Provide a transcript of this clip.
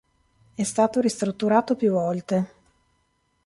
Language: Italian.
È stato ristrutturato più volte.